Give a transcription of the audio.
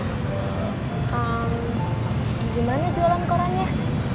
ehh gimana jualan korannya